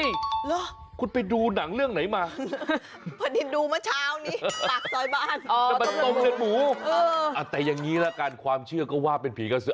หรอคุณไปดูหนังเรื่องไหนมาพอดิดู้เมื่อเช้านี้ตากซอยบ้านแต่อย่างงี้ล่ะกาญความเชื่อก็ว่าเป็นผีกาซุ